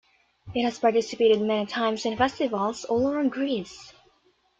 It has participated many times in festivals all around Greece.